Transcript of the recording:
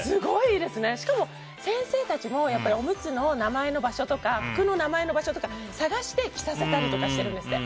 しかも先生たちもおむつの名前の場所とか服の名前の場所とか探して着させたりしてるんですって。